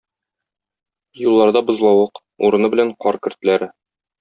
Юлларда - бозлавык, урыны белән - кар көртләре.